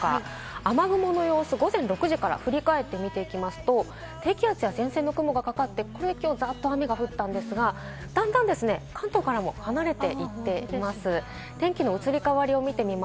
雨雲の様子、午前６時から振り返って見ていきますと、低気圧や前線の雲がかかって、ザッと雨が降ったんですが、だんだんと関東からも離れていっています。